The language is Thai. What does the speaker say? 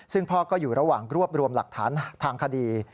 ซึ่งพ่อก็อยู่ระหว่างรวบรวมหลักฐานทางคดี